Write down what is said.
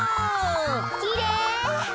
きれい！